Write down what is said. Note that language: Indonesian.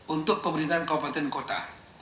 untuk pemerintahan kabupaten kota